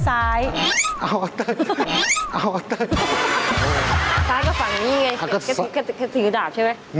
ซ้ายก็ฝั่งอย่างนี้ไงเขาถือดาบใช่ไหม